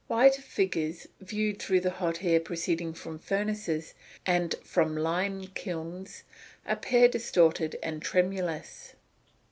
] 483. _Why do figures, viewed through the hot air proceeding from furnaces, and from lime kilns, appear distorted and tremulous?